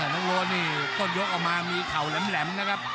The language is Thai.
น้องโอ๊นี่ต้นยกออกมามีเข่าแหลมนะครับ